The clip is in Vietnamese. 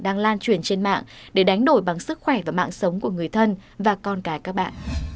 đang lan truyền trên mạng để đánh đổi bằng sức khỏe và mạng sống của người thân và con cái các bạn